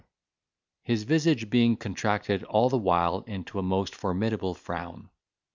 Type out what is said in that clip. his visage being contracted all the while into a most formidable frown.